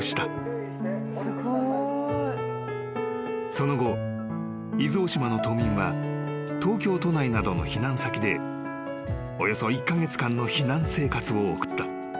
［その後伊豆大島の島民は東京都内などの避難先でおよそ１カ月間の避難生活を送った］